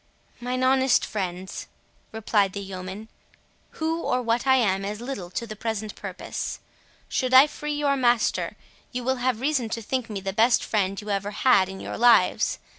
"Mine honest friends," replied the yeoman, "who, or what I am, is little to the present purpose; should I free your master, you will have reason to think me the best friend you have ever had in your lives.